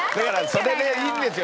それでいいんですよ。